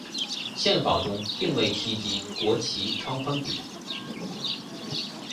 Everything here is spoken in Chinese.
宪法中并未提及国旗长宽比。